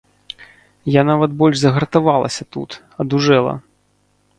Я нават больш загартавалася тут, адужэла.